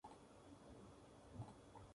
Hijo de Prudencio Guízar y Natividad Valencia.